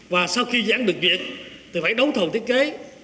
và sau khi dán được việc thì phải đấu thầu thiết kế